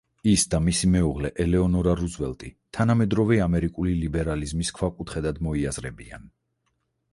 ის და მისი მეუღლე ელეონორა რუზველტი თანამედროვე ამერიკული ლიბერალიზმის ქვაკუთხედად მოიაზრებიან.